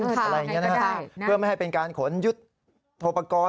อะไรอย่างนี้นะครับเพื่อไม่ให้เป็นการขนยุทธโทปกรณ์